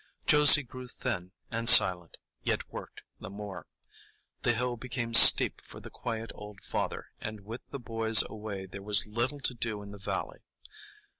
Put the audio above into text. Josie grew thin and silent, yet worked the more. The hill became steep for the quiet old father, and with the boys away there was little to do in the valley.